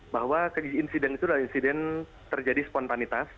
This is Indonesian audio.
bahwa insiden itu adalah insiden terjadi spontanitas